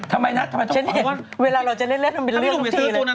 ใช่ไม่ฉันเห็นเวลาเราจะเล่นน่าบีดเลียนทุกที